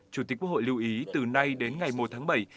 chủ tịch quốc hội lưu ý từ nay đến ngày một tháng bảy